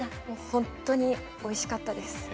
本当においしかったです。